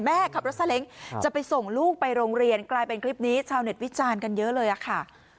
ขับรถซาเล้งจะไปส่งลูกไปโรงเรียนกลายเป็นคลิปนี้ชาวเน็ตวิจารณ์กันเยอะเลยค่ะ